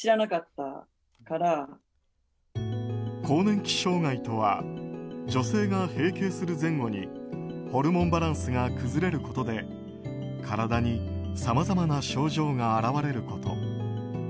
更年期障害とは女性が閉経する前後にホルモンバランスが崩れることで体にさまざまな症状が現れること。